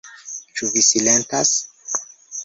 Ĉu vi silentas?